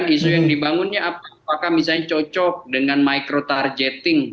isu yang dibangunnya apakah misalnya cocok dengan micro targeting